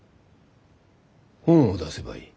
本を出せばいい。